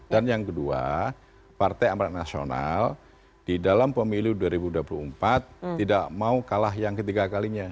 dan yang kedua partai amat nasional di dalam pemiliu dua ribu dua puluh empat tidak mau kalah yang ketiga kalinya